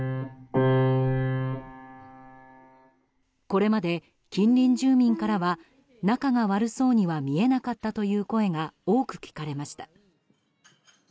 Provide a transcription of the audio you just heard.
これまで、近隣住民からは仲が悪そうには見えなかったという声が多く聞かれました。